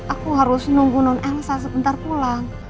aku harus nunggu non angsa sebentar pulang